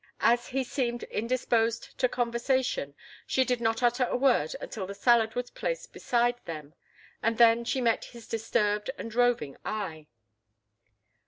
As he seemed indisposed to conversation she did not utter a word until the salad was placed beside them, and then she met his disturbed and roving eye.